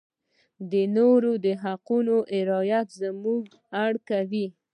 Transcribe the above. د نورو د حقوقو رعایت موږ اړ کوي.